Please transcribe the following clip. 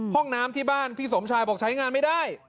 ห้องน้ำที่บ้านพี่สมชายบอกใช้งานไม่ได้